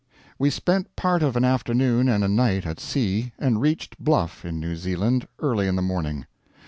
We spent part of an afternoon and a night at sea, and reached Bluff, in New Zealand, early in the morning.